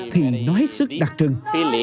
thì nó hết sức đặc trưng